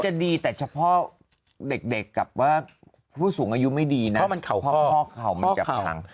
จะดีแต่เฉพาะเด็กกับว่าผู้สูงอายุไม่ดีนะข้อเข่ามันจะพัง